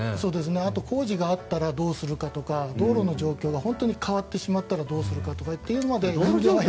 あと、工事があったらどうするかとか道路の状況が変わってしまったらどうしようとか。